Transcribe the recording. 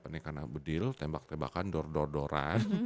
ini karena bedil tembak tembakan dor dor doran